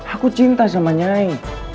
aku cinta sama nyai